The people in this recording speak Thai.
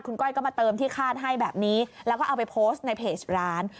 ก้อยก็มาเติมที่คาดให้แบบนี้แล้วก็เอาไปโพสต์ในเพจร้าน